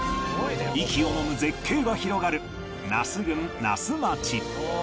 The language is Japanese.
息をのむ絶景が広がる那須郡那須町